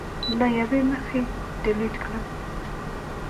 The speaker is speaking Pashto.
له یوې مخې ډیلېټ کړل